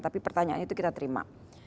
tapi pertanyaan itu kita terima